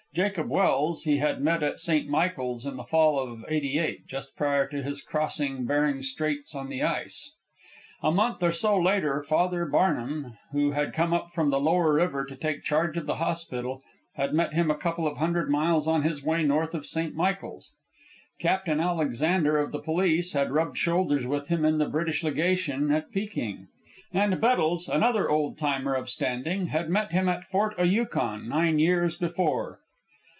Jacob Welse he had met at St. Michael's in the fall of '88, just prior to his crossing Bering Straits on the ice. A month or so later, Father Barnum (who had come up from the Lower River to take charge of the hospital) had met him a couple of hundred miles on his way north of St. Michael's. Captain Alexander, of the Police, had rubbed shoulders with him in the British Legation at Peking. And Bettles, another old timer of standing, had met him at Fort o' Yukon nine years before.